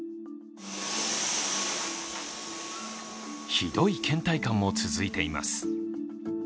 ひどいけん怠感も続いています。